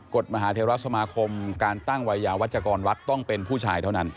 ฎมหาเทราสมาคมการตั้งวัยยาวัชกรวัดต้องเป็นผู้ชายเท่านั้น